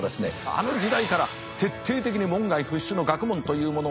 あの時代から徹底的に門外不出の学問というものをですね